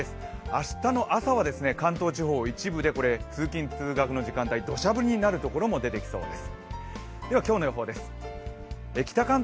明日の朝は関東地方、一部で通勤通学の時間帯、土砂降りになるところも出てきそうです。